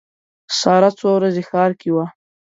ساره څو ورځې ښار کې وه.